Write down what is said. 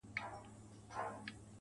ځمه ويدېږم ستا له ياده سره شپې نه كوم.